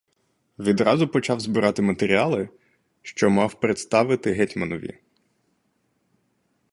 Відразу почав збирати матеріали, що мав представити гетьманові.